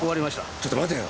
ちょっと待てよ。